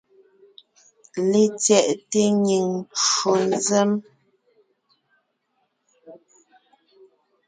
LetsyɛꞋte nyìŋ ncwò nzěm.